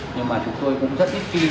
nhưng mà chúng tôi cũng rất ít khi